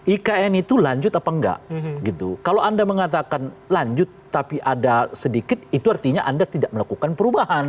ikn itu lanjut apa enggak gitu kalau anda mengatakan lanjut tapi ada sedikit itu artinya anda tidak melakukan perubahan